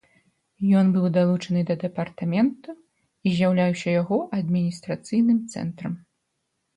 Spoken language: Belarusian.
Ён быў далучаны да дэпартамента і з'яўляўся яго адміністрацыйным цэнтрам.